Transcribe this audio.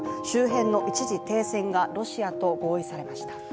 周辺の一時停戦がロシアと合意されました。